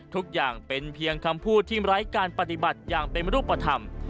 ทุกอย่างเป็นเพียงคำพูดที่ไร้การปฏิบัติอย่างเป็นรูปธรรม